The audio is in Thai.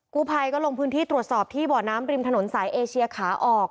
กู้ภัยก็ลงพื้นที่ตรวจสอบที่บ่อน้ำริมถนนสายเอเชียขาออก